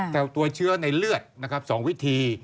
แต่ตัวเชื้อในเลือด๒วิธี